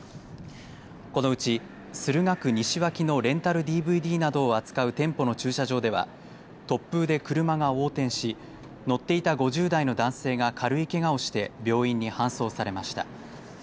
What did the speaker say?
このうち駿河区西脇のレンタルＤＶＤなどを扱う店舗の駐車場では突風で車が横転し乗っていた５０代の男性が軽いけがをして病院に搬送されました。